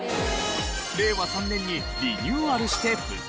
令和３年にリニューアルして復活。